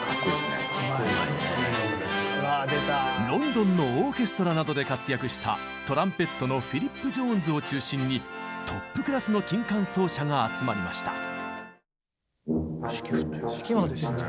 ロンドンのオーケストラなどで活躍したトランペットのフィリップ・ジョーンズを中心にトップクラスの金管奏者が集まりました。